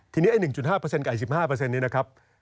ทีนี้ไอ้๑๕กับ๑๕นี้นะครับ